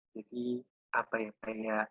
jadi apa ya